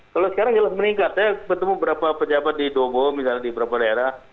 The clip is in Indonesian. kalau sekarang meningkat ya bertemu berapa pejabat di dogo misalnya di beberapa daerah